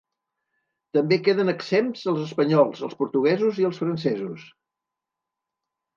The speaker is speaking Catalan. També queden exempts els espanyols, els portuguesos i els francesos.